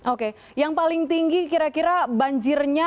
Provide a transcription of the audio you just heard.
oke yang paling tinggi kira kira banjirnya